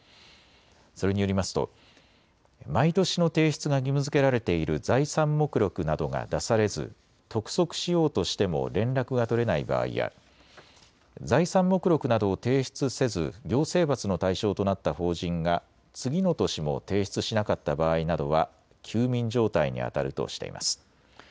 それによりますと毎年の提出が義務づけられている財産目録などが出されず督促しようとしても連絡が取れない場合や財産目録などを提出せず行政罰の対象となった法人が次の年も提出しなかった場合などは休眠状態にあたるとしています。